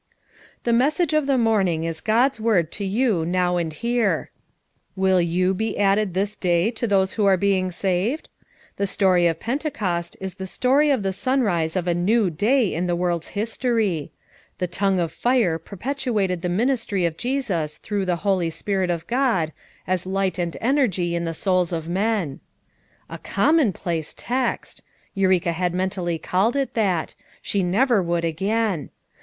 "The message of the morning is God's word to you now and here. Will you he added this day to those who are being saved? The story of Pentecost is the story of the sunrise of a new day in the world's history. The tongue of fire perpetuated the ministry of Jesus through the Holy Spirit of God, as light and energy in the souls of men." A " common place text!" Eureka had mentally called it that— she never could again.